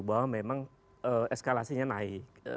bahwa memang eskalasinya naik